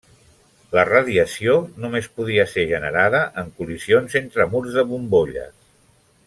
La radiació només podia ser generada en col·lisions entre murs de bombolles.